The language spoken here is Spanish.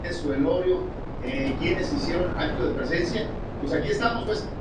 Actúa por contacto e ingestión alterando el equilibrio hormonal de los insectos.